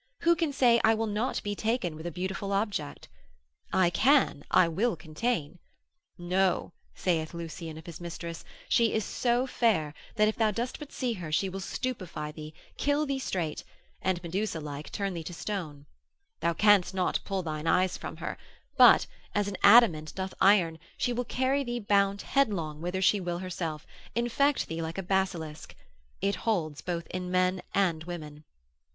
Who can say I will not be taken with a beautiful object? I can, I will contain. No, saith Lucian of his mistress, she is so fair, that if thou dost but see her, she will stupefy thee, kill thee straight, and, Medusa like, turn thee to a stone; thou canst not pull thine eyes from her, but, as an adamant doth iron, she will carry thee bound headlong whither she will herself, infect thee like a basilisk. It holds both in men and women.